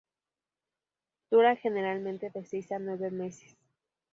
Dura generalmente de seis a nueve meses.